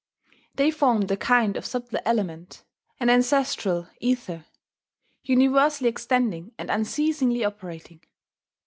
They formed a kind of subtler element, an ancestral aether, universally extending and unceasingly operating.